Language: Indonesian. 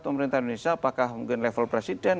pemerintah indonesia apakah mungkin level presiden